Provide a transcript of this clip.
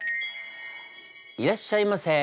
いらっしゃいませ。